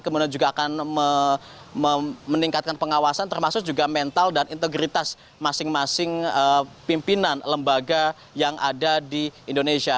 kemudian juga akan meningkatkan pengawasan termasuk juga mental dan integritas masing masing pimpinan lembaga yang ada di indonesia